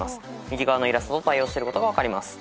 右側のイラストと対応していることが分かります。